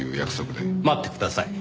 待ってください。